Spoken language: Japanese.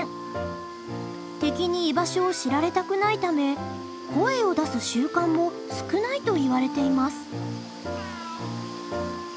敵に居場所を知られたくないため声を出す習慣も少ないといわれています。